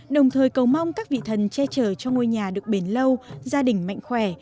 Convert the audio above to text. đồng thời cầu mong các vị thần che chở cho ngôi nhà được bền lâu gia đình mạnh khỏe